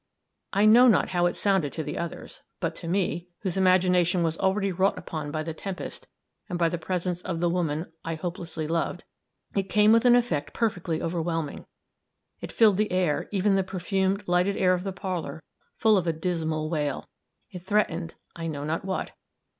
I know not how it sounded to the others, but to me, whose imagination was already wrought upon by the tempest and by the presence of the woman I hopelessly loved, it came with an effect perfectly overwhelming; it filled the air, even the perfumed, lighted air of the parlor, full of a dismal wail. It threatened I know not what.